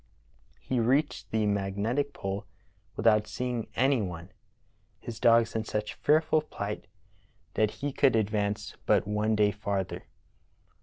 He reached the magnetic pole without seeing any one, his dogs in such fearful plight that he could ad vance but one day farther.